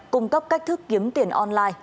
cung cấp cách thức kiếm tiền online